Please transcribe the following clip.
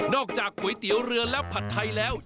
จากก๋วยเตี๋ยวเรือและผัดไทยแล้ว